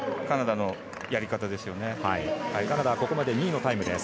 カナダはここまで２位のタイム。